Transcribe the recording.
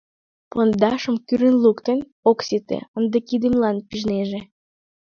Пондашым кӱрын луктын — ок сите, ынде кидемлан пижнеже.